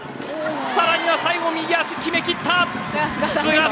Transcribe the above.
さらには最後に右足、決めきった。